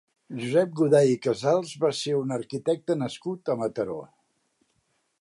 Josep Goday i Casals va ser un arquitecte nascut a Mataró.